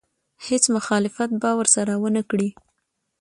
هېڅ مخالفت به ورسره ونه کړي.